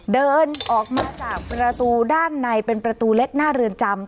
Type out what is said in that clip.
เดินออกมาจากประตูด้านในเป็นประตูเล็กหน้าเรือนจำ